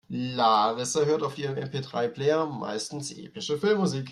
Larissa hört auf ihrem MP-drei-Player meistens epische Filmmusik.